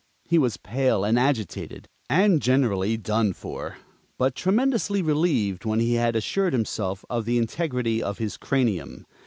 He was pale and agitated, and generally done for; but tremendously relieved when he had assured himself of the integrity of his cranium.